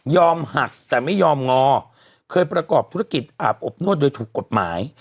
หักแต่ไม่ยอมงอเคยประกอบธุรกิจอาบอบนวดโดยถูกกฎหมาย